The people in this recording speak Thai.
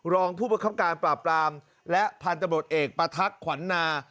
รองผู้ประคับการปราบปรามและพันธบทเอกประทักษ์ขวัญนา